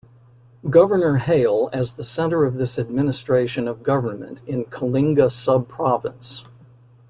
Governor Hale as the center of this Administration of government in Kalinga sub-province.